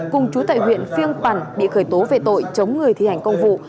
cùng chú tại huyện phiêng quản bị khởi tố về tội chống người thi hành công vụ